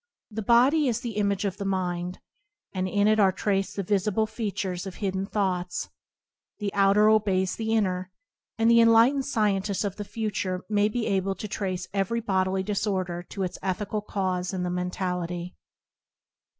The body is the image of the mind, and in it are traced the visible features of hidden thoughts. The outer obeys the inner, and the enlightened scientist of the future may be able to trace every bodily disorder to its ethical cause in the mentality.